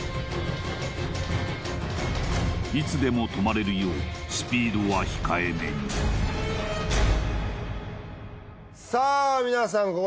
いつでも止まれるようスピードは控えめにさあ皆さん